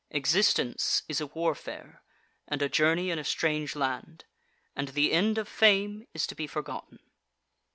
Existence is a warfare, and a journey in a strange land; and the end of fame is to be forgotten.